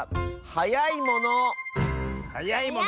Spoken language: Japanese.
はやいものかあ。